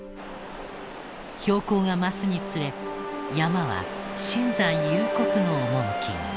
標高が増すにつれ山は深山幽谷の趣に。